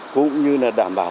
cũng như là đảm bảo